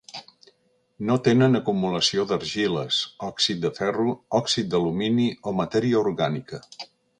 No tenen acumulació d'argiles, òxid de ferro, òxid d'alumini o matèria orgànica.